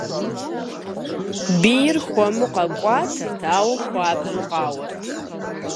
Бийр хуэму къэкӏуатэрт, ауэ хуабжьу къауэрт.